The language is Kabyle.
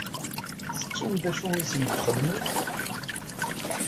Tettum d acu i sent-txedmem?